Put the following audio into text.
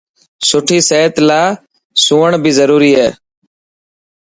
سٺي صحت لاءِ سوڻ بي ضروري هي.